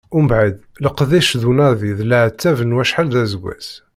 Mbeɛd leqdic d unadi d leɛtab n wacḥal d aseggas.